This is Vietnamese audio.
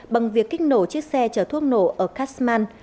bằng việc kích nổ chiếc xe chở thuốc nổ ở kashman